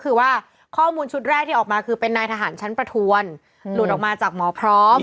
คือว่าข้อมูลชุดแรกที่ออกมาคือเป็นนายทหารชั้นประทวนหลุดออกมาจากหมอพร้อม